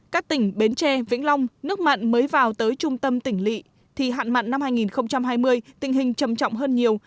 các tỉnh bến tre vĩnh long nước mặn mới vào tới trung tâm tỉnh lị thì hạn mặn năm hai nghìn hai mươi tình hình trầm trọng hơn nhiều